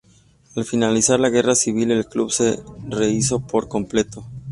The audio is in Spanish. Al finalizar la Guerra Civil, el club se rehízo por completo.